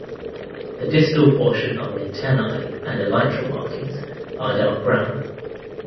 The distal portion of the antennae and elytral margins are dark brown.